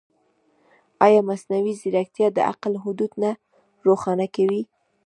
ایا مصنوعي ځیرکتیا د عقل حدود نه روښانه کوي؟